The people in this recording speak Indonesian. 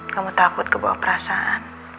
kamu takut kebawa perasaan